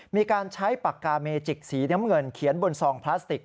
มีการใช้ปากกาเมจิกสีน้ำเงินเขียนบนซองพลาสติก